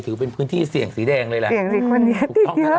ถือเป็นพื้นที่เสี่ยงสีแดงเลยแหละเสี่ยงสีคนนี้อีกเยอะ